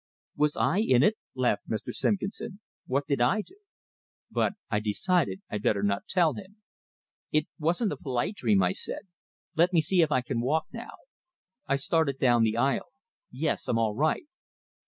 "Was I in it?" laughed Mr. Simpkinson. "What did I do?" But I decided I'd better not tell him. "It wasn't a polite dream," I said. "Let me see if I can walk now." I started down the aisle. "Yes, I'm all right."